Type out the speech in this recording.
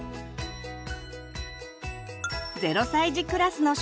０歳児クラスの食事。